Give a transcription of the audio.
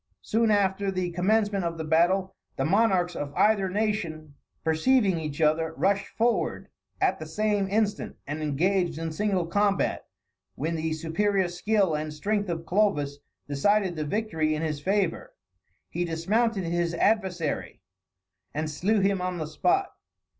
Soon after the commencement of the battle, the monarchs of either nation perceiving each other, rushed forward at the same instant, and engaged in single combat, when the superior skill and strength of Clovis decided the victory in his favor; he dismounted his adversary, and slew him on the spot.